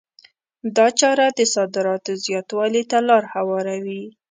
دا چاره د صادراتو زیاتوالي ته لار هواروي.